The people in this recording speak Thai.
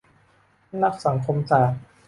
นักสังคมศาสตร์